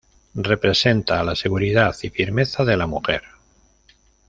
Representa a la seguridad y firmeza de la mujer.